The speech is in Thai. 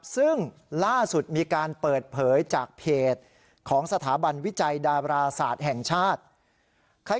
ซึ่งล่าสุดมีการเปิดเผยจากเพจของสถาบันวิจัยดาราศาสตร์แห่งชาติ